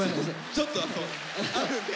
ちょっとあるんで。